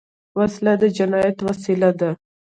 وسله د جنايت وسیله ده